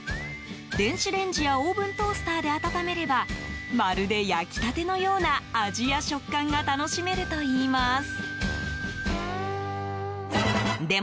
電子レンジやオーブントースターで温めればまるで焼きたてのような味や食感が楽しめるといいます。